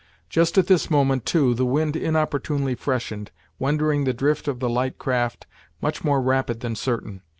Just at this moment, too, the wind inopportunely freshened, rendering the drift of the light craft much more rapid than certain.